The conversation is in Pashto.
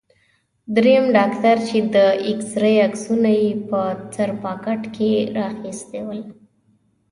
دریم ډاکټر چې د اېکسرې عکسونه یې په سر پاکټ کې را اخیستي ول.